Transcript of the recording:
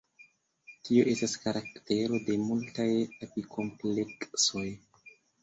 Tio estas karaktero de multaj apikompleksoj.